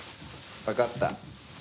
わかった。